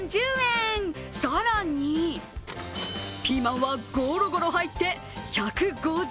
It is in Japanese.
更に、ピーマンはゴロゴロ入って１５０円。